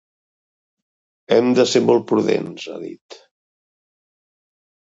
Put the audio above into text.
“Hem de ser molt prudents”, ha dit.